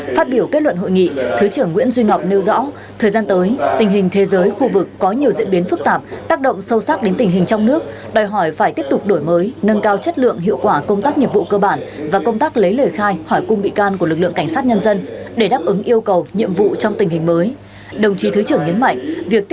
phát biểu kết luận hội nghị thứ trưởng nguyễn duy ngọc nêu rõ thời gian tới tình hình thế giới khu vực có nhiều diễn biến phức tạp tác động sâu sắc đến tình hình trong nước đòi hỏi phải tiếp tục đổi mới nâng cao chất lượng hiệu quả công tác nhiệm vụ cơ bản và công tác lấy lời khai hỏi cung bị can của lực lượng cảnh sát nhân dân để đáp ứng yêu cầu nhiệm vụ trong tình hình mới